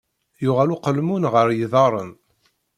Yuɣal uqelmun ɣer yiḍarren.